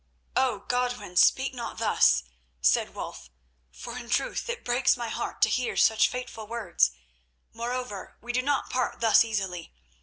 "Oh! Godwin, speak not thus," said Wulf, "for in truth it breaks my heart to hear such fateful words. Moreover, we do not part thus easily.